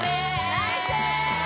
・ナイス！